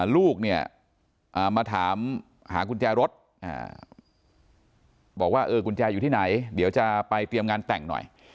ลูกเนี่ยมาถามหากุญแจรถบอกว่ากุญแจอยู่ที่ไหนเดี๋ยวจะไปเตรียมงานแต่งหน่อย